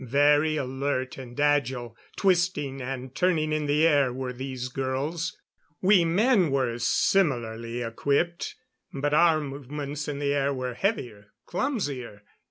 Very alert and agile, twisting and turning in the air were these girls. We men were similarly equipped, but our movements in the air were heavier, clumsier.